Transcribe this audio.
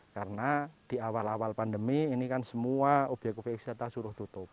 karena di awal awal pandemi ini kan semua obyek obyek wisata suruh tutup